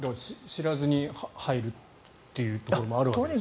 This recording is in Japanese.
知らずに入るっていうところもあるわけですよね。